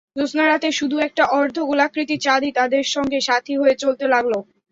জ্যোৎস্না রাতে শুধু একটা অর্ধ-গোলাকৃতি চাঁদই তাদের সঙ্গে সাথি হয়ে চলতে লাগল।